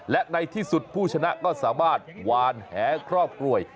และในที่สุดผู้ชนะก็สามารถวานแหครอบครัว